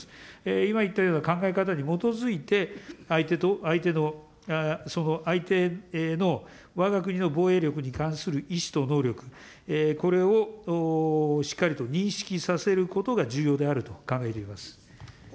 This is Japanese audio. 今言ったような考え方に基づいて、相手のわが国の防衛力に関する意思と能力、これをしっかりと認識させることが重要であると考えています。